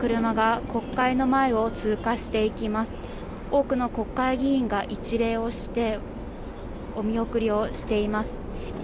多くの国会議員が一礼してお見送りをしています。